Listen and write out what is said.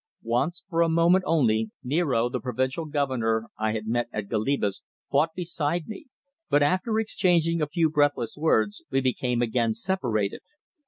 Once, for a moment only, Niaro, the provincial governor I had met at Goliba's, fought beside me, but after exchanging a few breathless words we became again separated.